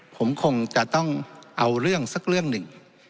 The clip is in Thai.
ผมคงจะต้องเอาเรื่องสักเรื่องหนึ่ง